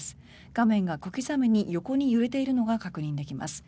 画面が小刻みに横に揺れているのが確認できます。